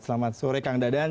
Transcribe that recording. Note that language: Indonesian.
selamat sore kang dadan